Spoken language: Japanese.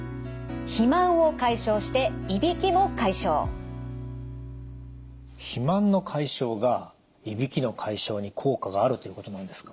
肥満の解消がいびきの解消に効果があるということなんですか？